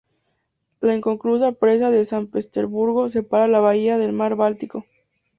La inconclusa presa de San Petersburgo separa la bahía del mar Báltico.